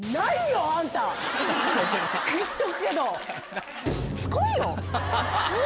言っとくけど！